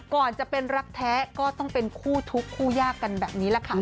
ก่อนจะเป็นรักแท้ก็ต้องเป็นคู่ทุกข์คู่ยากกันแบบนี้แหละค่ะ